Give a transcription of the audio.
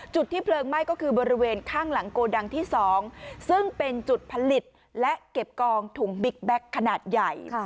จุดที่เพลิงไหม้ก็คือบริเวณข้างหลังโกดังที่๒ซึ่งเป็นจุดผลิตและเก็บกองถุงบิ๊กแบ็คขนาดใหญ่